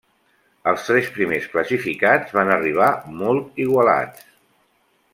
Els tres primers classificats van arribar molt igualats.